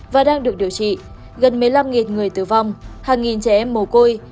và đang được điều trị gần một mươi năm người tử vong hàng nghìn trẻ em mồ côi